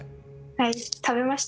はい食べました。